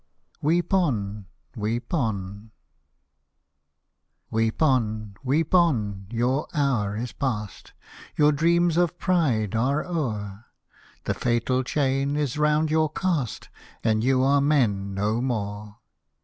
WEEP ON, WEEP ON Weep on, weep on, your hour is past ; Your dreams of pride are o'er ; The fatal chain is round you cast. And you are men no more.